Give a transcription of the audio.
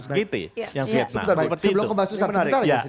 sebentar ya sedikit